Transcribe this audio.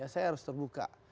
saya harus terbuka